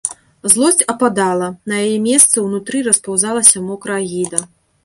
Злосць ападала, на яе месца ўнутры распаўзалася мокра агіда.